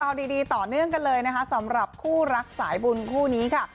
ดีต่อเนื่องกันเลยนะคะสำหรับคู่รักสายบุญคู่นี้ค่ะ